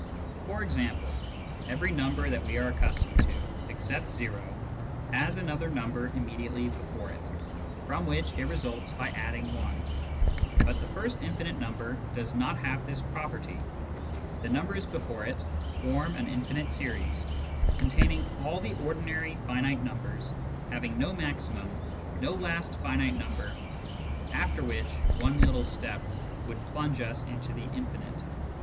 For example, every number that we are accustomed to, except o, has another number immediately before it, from which it results by adding i ; but the first infinite number does not have this property. The numbers before it form an infinite series, containing all the ordinary finite numbers, having no maximum, no last finite number, after which Digitized by Google THE PROBLEM OF INFINITY i8i one litde step would plunge us into the infinite.